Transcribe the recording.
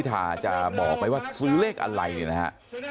พี่พีชจะบอกไปว่าซื้อเลขอะไรนะครับ